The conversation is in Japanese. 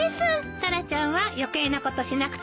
タラちゃんは余計なことしなくていいのよ。